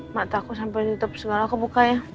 mak takut sampe ditutup segala kebukanya